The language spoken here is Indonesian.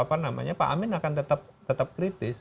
apa namanya pak amin akan tetap kritis